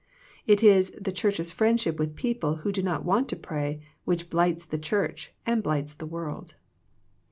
It is the Church's friendship with people who do not want to pray, which blights the Church and blights the world.